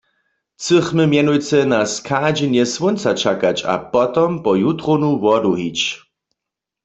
Chcychmy mjenujcy na schadźenje słónca čakać a potom po jutrownu wodu hić.